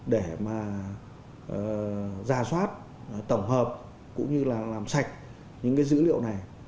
để mà ra soát tổng hợp cũng như là làm sạch những cái dữ liệu này